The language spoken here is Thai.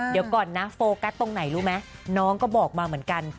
เดี๋ยวก่อนนะโฟกัสตรงไหนรู้ไหมน้องก็บอกมาเหมือนกัน